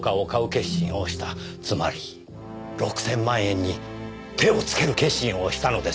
つまり６千万円に手をつける決心をしたのです。